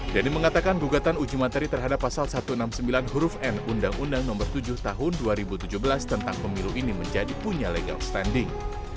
dhani mengatakan gugatan uji materi terhadap pasal satu ratus enam puluh sembilan huruf n undang undang nomor tujuh tahun dua ribu tujuh belas tentang pemilu ini menjadi punya legal standing